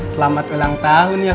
selamat ulang tahun ya